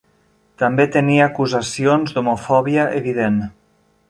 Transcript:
També tenia acusacions d'homofòbia evident.